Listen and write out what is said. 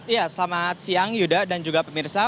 ya selamat siang yuda dan juga pemirsa